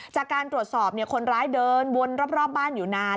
จากการตรวจสอบคนร้ายเดินวนรอบบ้านอยู่นาน